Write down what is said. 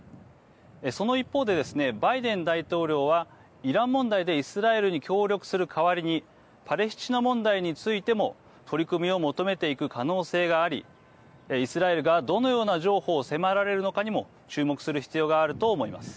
その一方でですねバイデン大統領はイラン問題でイスラエルに協力する代わりにパレスチナ問題についても取り組みを求めていく可能性がありイスラエルがどのような譲歩を迫られるのかにも注目する必要があると思います。